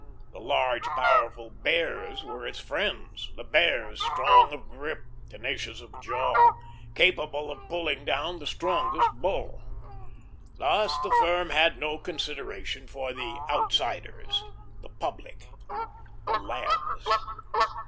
The large, powerful Bears were its friends, the Bears strong of grip, tenacious of jaw, capable of pulling down the strongest Bull. Thus the firm had no consideration for the "outsiders," the "public" the Lambs.